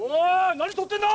何撮ってんだ！